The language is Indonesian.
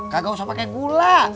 gak usah pake gula